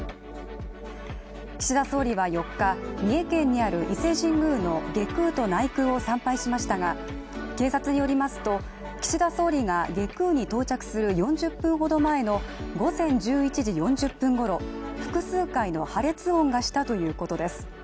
岸田総理は４日、三重県にある伊勢神宮の外宮と内宮を参拝しましたが警察によりますと岸田総理が外宮に到着する４０分ほど前の午前１１時４０分ごろ複数回の破裂音がしたということです。